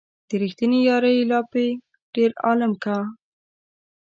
د ريښتينې يارۍ لاپې ډېر عالم کا